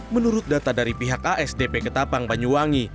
menurut data dari pihak asdp ketapang banyuwangi